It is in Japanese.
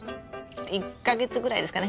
１か月ぐらいですかね。